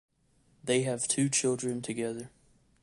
They have two children together.